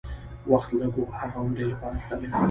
وخت لږ و، هغه عمرې لپاره تللی و.